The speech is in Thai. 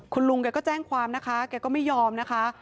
คุณลุงแกก็แจ้งความนะคะแกก็ไม่ยอมนะคะ